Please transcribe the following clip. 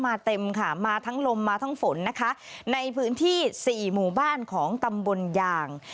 เต็มค่ะมาทั้งลมมาทั้งฝนนะคะในพื้นที่สี่หมู่บ้านของตำบลยาง